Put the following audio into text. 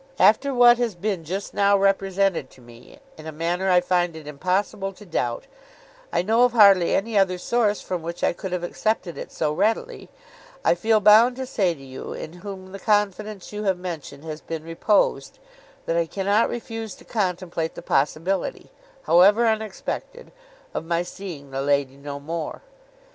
'After what has been just now represented to me, in a manner I find it impossible to doubt—I know of hardly any other source from which I could have accepted it so readily—I feel bound to say to you, in whom the confidence you have mentioned has been reposed, that I cannot refuse to contemplate the possibility (however unexpected) of my seeing the lady no more.